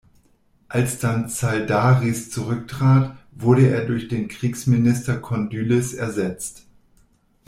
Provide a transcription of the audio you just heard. Als dann Tsaldaris zurücktrat, wurde er durch den Kriegsminister Kondylis ersetzt.